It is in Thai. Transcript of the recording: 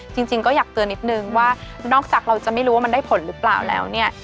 จริงก็อยากเตือนนิดนึงว่านอกจากเราจะไม่รู้ว่ามันได้ผลหรือเปล่าแล้วเนี่ย